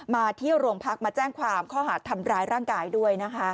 มาที่โรงพักมาแจ้งความข้อหาดทำร้ายร่างกายด้วยนะคะ